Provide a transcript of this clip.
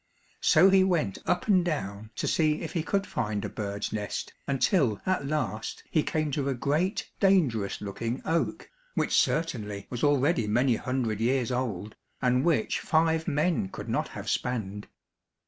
So he went up and down to see if he could find a bird's nest until at last he came to a great dangerous looking oak, which certainly was already many hundred years old, and which five men could not have spanned.